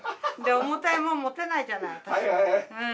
重たいもの持てないじゃない私うん。